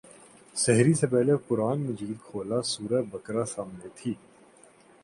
سحری سے پہلے قرآن مجید کھولا سورہ بقرہ سامنے تھی۔